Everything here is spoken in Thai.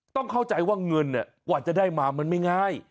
ต้องเข้าใจว่าเงินกว่าจะได้มามันไม่ง่าย